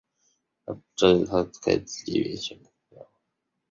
全段名为京广铁路邯和支线。